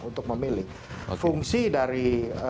untuk memilih fungsi dari